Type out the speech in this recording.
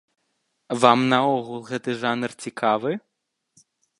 Вам наогул гэты жанр цікавы?